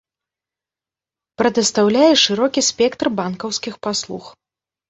Прадастаўляе шырокі спектр банкаўскіх паслуг.